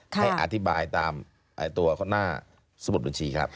ให้อธิบายตามตัวหน้าสมุดบัญชีครับ